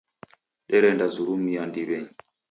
Derendazurumia ndiw'enyi.